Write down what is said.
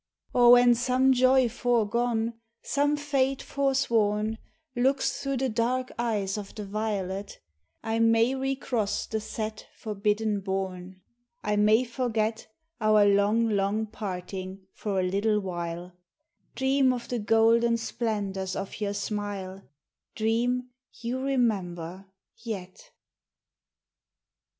Or when some joy foregone, some fate forsworn, Looks through the dark eyes of the violet, I may re cross the set, forbidden bourne, I may forget Our long, long parting for a little while, Dream of the golden splendors of your smile, Dream you remember yet.